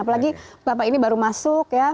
apalagi bapak ini baru masuk ya